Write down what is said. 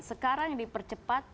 sekarang yang dipercepat